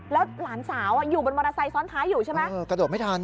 แล้วหลานสาวอยู่บนมอเตอร์ไซค์ซ้อนท้ายอยู่ใช่ไหม